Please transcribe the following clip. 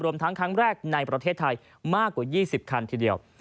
ทั้งครั้งแรกในประเทศไทยมากกว่า๒๐คันทีเดียว